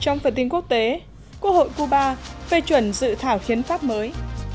trong phần tin quốc tế quốc hội cuba phê chuẩn dự thảo hiến pháp mới